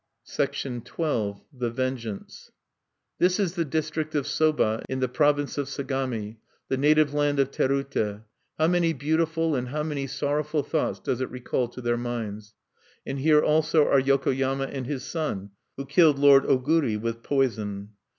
XII. THE VENGEANCE This is the district of Soba, in the province of Sagami, the native land of Terute: how many beautiful and how many sorrowful thoughts does it recall to their minds! And here also are Yokoyama and his son, who killed Lord Ogiri with poison.